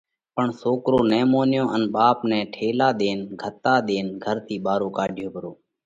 پڻ سوڪرو نہ مونيو ان ٻاپ نئہ ٺيلا ۮينَ، ڳتا ۮينَ گھر ٿِي ٻارو ڪاڍيو پرو۔